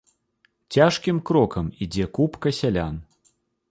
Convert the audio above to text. Цяжкім крокам ідзе купка сялян.